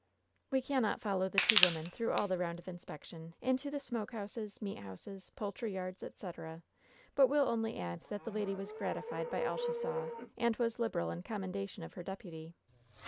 We cannot follow the two women through all the round of inspection, into the smoke houses, meat houses^ poultry yards, etc., but will only add that the lady was gratified by all she saw, and was liberal in commenda tion of her deputy.